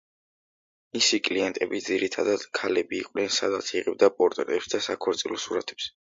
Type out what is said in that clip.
მისი კლიენტები ძირითადად ქალები იყვნენ, სადაც იღებდა პორტრეტებს და საქორწილო სურათებს.